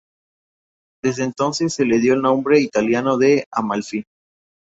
Desde entonces se le dio el nombre italiano de Amalfi.